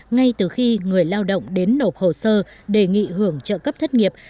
ngay từ khi người lao động đến nộp hồ sơ đề nghị hưởng trợ cấp thất nghiệp